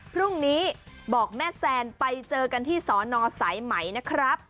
พรุ่งนี้บอกแม่แซนไปเจอกันที่สอนอสายไหมนะครับ